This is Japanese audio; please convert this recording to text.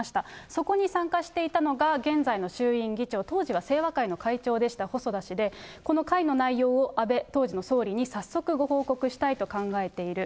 そこに参加していたのが現在の衆院議長、当時は清和会の会長でした細田氏で、この会の内容を安倍、当時の総理に早速ご報告したいと考えている。